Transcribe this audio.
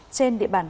trên địa bàn